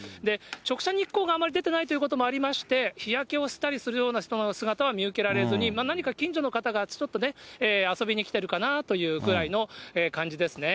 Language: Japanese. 直射日光があまり出てないということもありまして、日焼けをしたりするような人の姿は見受けられずに、何か近所の方が、ちょっと遊びに来てるかなというぐらいの感じですね。